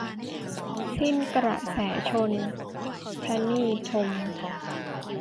สิ้นกระแสชล - นทีทม